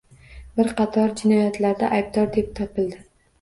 Bir qator jinoyatlarda aybdor deb topildi